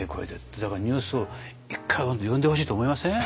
だからニュースを１回読んでほしいと思いません？